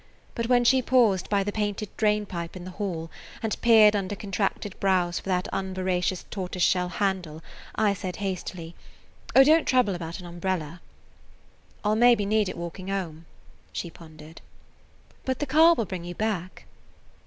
But when she paused by the painted drainpipe in the hall and peered under contracted brows for that unveracious tortoiseshell handle, I said hastily: "Oh, don't trouble about an umbrella." "I 'll maybe need it walking home," she pondered. "But the car will bring you back."